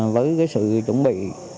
với sự chuẩn bị